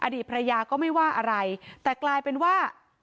อดีตภรรยาก็ไม่ว่าอะไรแต่กลายเป็นว่า